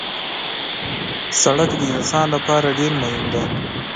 سړک د انسان لپاره ډېر مهم دی.